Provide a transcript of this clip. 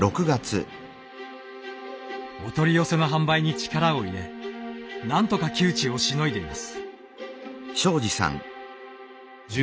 お取り寄せの販売に力を入れ何とか窮地をしのいでいます。